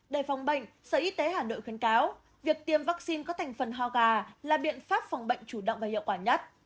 để phòng bệnh sở y tế hà nội khuyến cáo việc tiêm vaccine có thành phần ho gà là biện pháp phòng bệnh chủ động và hiệu quả nhất